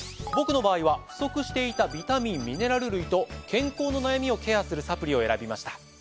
僕の場合は不足していたビタミンミネラル類と健康の悩みをケアするサプリを選びました。